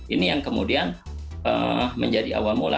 ini yang kemudian menjadi awal mula